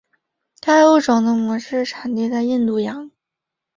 该物种的模式产地在印度洋。